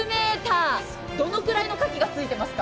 どのくらいのかきがついてますか？